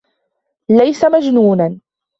ليس مجنونا.